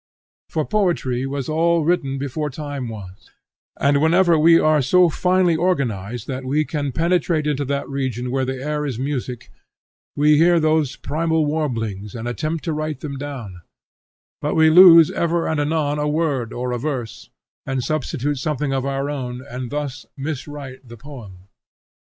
For poetry was all written before time was, and whenever we are so finely organized that we can penetrate into that region where the air is music, we hear those primal warblings and attempt to write them down, but we lose ever and anon a word or a verse and substitute something of our own, and thus miswrite the poem.